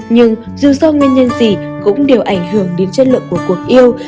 nhưng dù do nguyên nhân gì cũng đều ảnh hưởng đến chất lượng của cuộc yêu